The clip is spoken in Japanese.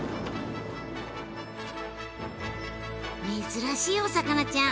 珍しいお魚ちゃん